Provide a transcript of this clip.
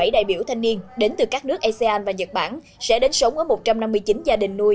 ba trăm một mươi bảy đại biểu thanh niên đến từ các nước asean và nhật bản sẽ đến sống ở một trăm năm mươi chín gia đình nuôi